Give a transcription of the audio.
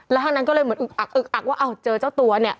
แล้วทางนั้นก็เลยเหมือนอึกอักอึกอักว่าอ้าวเจอเจ้าตัวเนี่ย